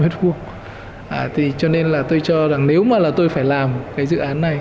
thế cho nên là tôi cho rằng nếu mà là tôi phải làm cái dự án này